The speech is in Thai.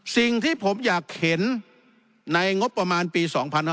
สิ่งที่ผมอยากเห็นในงบประมาณปี๒๕๕๙